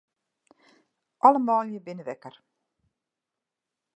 Alle manlju binne wekker.